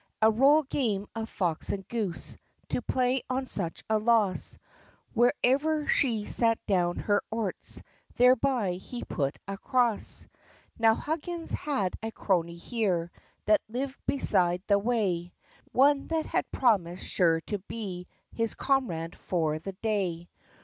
A royal game of fox and goose, To play on such a loss; Wherever she set down her orts, Thereby he put a cross. Now Huggins had a crony here, That lived beside the way; One that had promised sure to be His comrade for the day.